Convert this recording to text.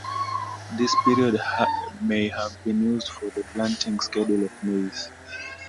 This period may have been used for the planting schedule of maize.